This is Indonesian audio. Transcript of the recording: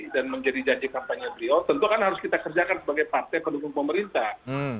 menjadi janji kampanye beliau tentu kan harus kita kerjakan sebagai partai pendukung pemerintah